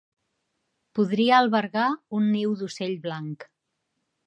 Podria albergar un niu d'ocell blanc.